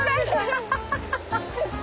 ハハハハハ！